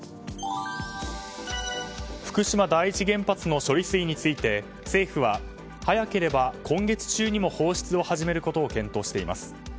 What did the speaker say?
福島第一原発の処理水について政府は、早ければ今月中にも放出を始めることを検討しています。